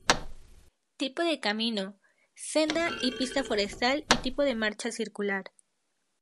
Tipo de camino: Senda y pista forestal y tipo de marcha circular.